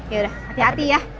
yaudah hati hati ya